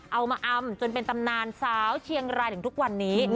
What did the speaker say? เอามาอำจนเป็นตำนานสาวเชียงรายถึงทุกวันนี้